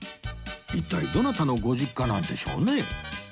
一体どなたのご実家なんでしょうね